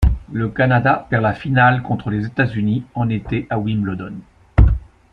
Le Canada perd la finale contre les États-Unis en été à Wimbledon.